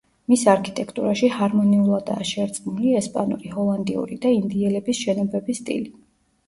მის არქიტექტურაში ჰარმონიულადაა შერწყმული ესპანური, ჰოლანდიური და ინდიელების შენობების სტილი.